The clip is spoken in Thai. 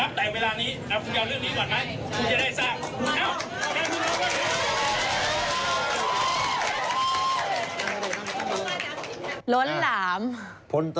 ตั้งแต่เวลานี้แล้วคุณจะเอาเรื่องนี้ก่อนไหม